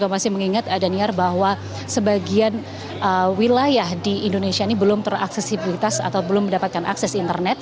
masih mengingat daniar bahwa sebagian wilayah di indonesia ini belum teraksesibilitas atau belum mendapatkan akses internet